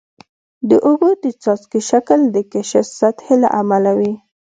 د اوبو د څاڅکو شکل د کشش سطحي له امله وي.